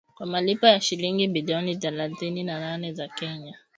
kwa malipo ya shilingi bilioni thelathini na nne za Kenya